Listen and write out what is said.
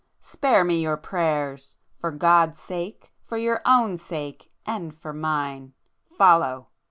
"Spare me your prayers! For God's sake, for your own sake, and for mine! Follow!"